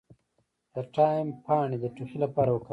د تایم پاڼې د ټوخي لپاره وکاروئ